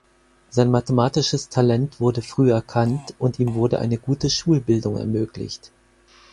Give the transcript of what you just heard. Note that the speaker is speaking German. Sein mathematisches Talent wurde früh erkannt und ihm wurde eine gute Schulbildung ermöglicht.